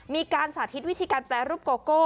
มีการสาธิตวิธีการแปรรูปโกโก้